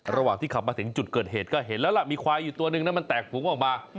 ระหว่างที่ขับมาถึงจุดเกิดเหตุก็เห็นแล้วล่ะมีควายอยู่ตัวนึงนะมันแตกฝูงออกมา